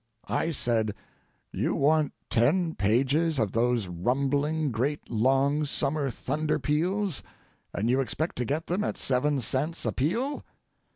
I said, "You want ten pages of those rumbling, great, long, summer thunderpeals, and you expect to get them at seven cents a peal?"